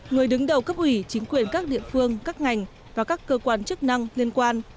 người đứng đầu cấp ủy chính quyền các địa phương các ngành và các cơ quan chức năng liên quan